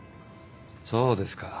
そうですか。